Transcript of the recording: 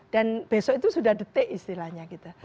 dan besok itu sudah detik istilahnya gitu